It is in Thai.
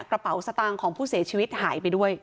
กระเป๋าสตางค์ของผู้เสียชีวิตหายไปด้วย